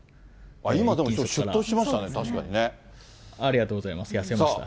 今、でもしゅっとしましたね、確かにね。ありがとうございます、痩せました。